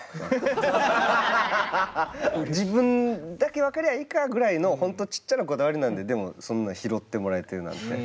自分だけ分かりゃあいいかぐらいの本当ちっちゃなこだわりなんででもそんな拾ってもらえてるなんてさすが！